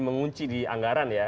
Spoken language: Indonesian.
mengunci di anggaran ya